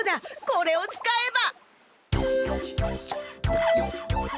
これを使えば！